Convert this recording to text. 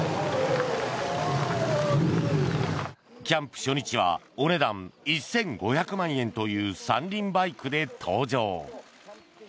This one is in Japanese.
キャンプ初日はお値段１５００万円という三輪バイクで登場。